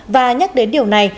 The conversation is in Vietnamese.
và nhắc đến điều này